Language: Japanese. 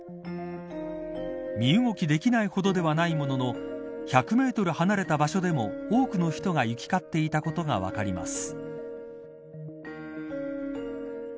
身動きできないほどではないものの１００メートル離れた場所でも多くの人が行き交っていたことが分かります。